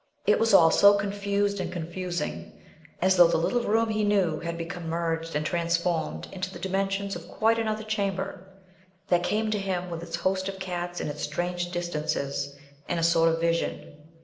It was all so confused and confusing, as though the little room he knew had become merged and transformed into the dimensions of quite another chamber, that came to him, with its host of cats and its strange distances, in a sort of vision.